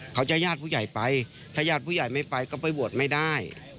ญาติผู้ใหญ่ไปถ้าญาติผู้ใหญ่ไม่ไปก็ไปบวชไม่ได้